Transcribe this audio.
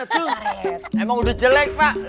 emang udah jelek pak